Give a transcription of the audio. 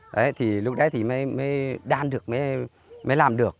đấy thì lúc đấy thì mới đan được mới làm được